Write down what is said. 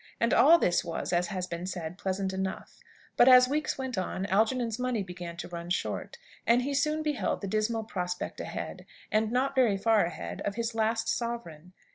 And all this was, as has been said, pleasant enough. But, as weeks went on, Algernon's money began to run short; and he soon beheld the dismal prospect ahead and not very far ahead of his last sovereign.